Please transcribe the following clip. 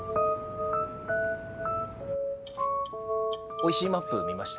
「おいしいマップ」見ました。